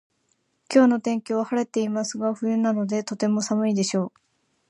今日の天気は晴れてますが冬なのでとても寒いでしょう